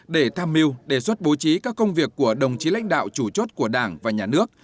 để tham mưu đề xuất bố trí các công việc của đồng chí lãnh đạo chủ chốt của đảng và nhà nước